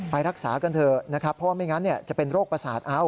ไปรักษากันเถอะนะครับเพราะว่าไม่งั้นจะเป็นโรคประสาทเอา